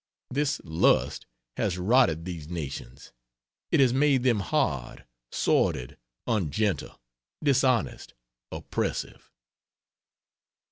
This lust has rotted these nations; it has made them hard, sordid, ungentle, dishonest, oppressive.